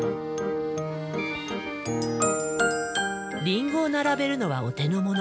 リンゴを並べるのはお手の物。